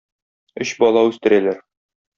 Өч бала үстерәләр.